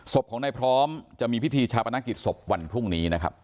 ศพของนายพร้อมจะมีพิธีชาปนกิจศพวันพรุ่งนี้นะครับ